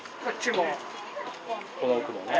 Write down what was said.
この奥もね。